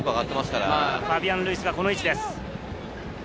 ファビアン・ルイスがこの位置です。